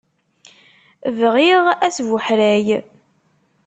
Bɣiɣ asbuḥray.